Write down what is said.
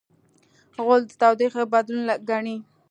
غول د تودوخې بدلون ګڼي.